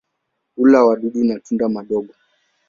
Hula wadudu na tunda madogo.